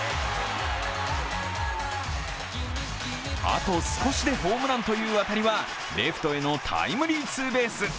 あと少しでホームランという当たりはレフトへのタイムリーツーベース。